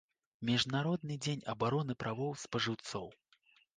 Міжнародны дзень абароны правоў спажыўцоў.